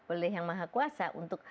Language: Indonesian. oleh yang maha kuasa